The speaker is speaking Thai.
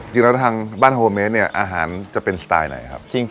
จริงแล้วทางบ้านโฮเมสเนี่ยอาหารจะเป็นสไตล์ไหนครับ